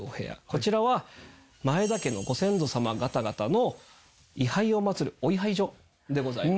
こちらは前田家のご先祖さま方々の位牌を祭るお位牌所でございます。